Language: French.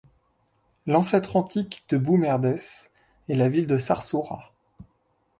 L'ancêtre antique de Bou Merdes est la ville de Sarsoura.